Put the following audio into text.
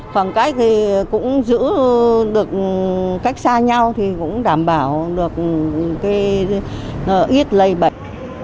khoảng cách thì cũng giữ được cách xa nhau thì cũng đảm bảo được ít lây bệnh